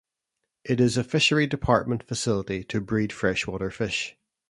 It is a Fishery Department facility to breed freshwater fish.